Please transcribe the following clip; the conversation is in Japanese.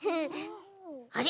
あれ？